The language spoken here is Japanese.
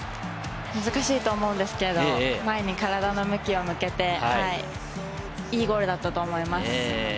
難しいと思うんですけれども、前に体の向きを向けて、いいゴールだったと思います。